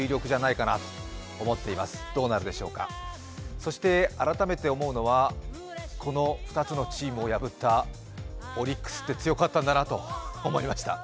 そして改めて思うのは、この２つのチームを破ったオリックスって強かったんだなと思いました。